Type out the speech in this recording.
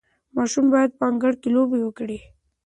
ماشومان په انګړ کې لوبې کولې.